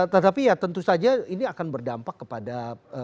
tetapi ya tentu saja ini akan berdampak kepada